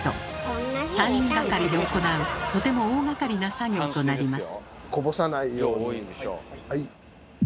３人がかりで行うとても大がかりな作業となります。